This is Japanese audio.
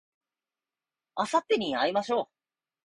あさってに会いましょう